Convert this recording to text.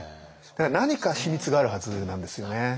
だから何か秘密があるはずなんですよね。